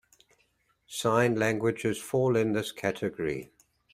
Sign languages fall in this category.